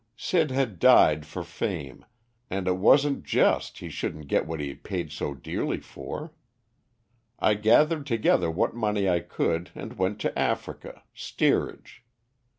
Sid had died for fame, and it wasn't just he shouldn't get what he paid so dearly for. I gathered together what money I could and went to Africa, steerage.